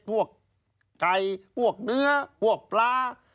พวกไก่พวกเนื้อพวกปลา